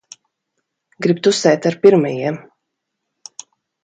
Grib tusēt ar pirmajiem.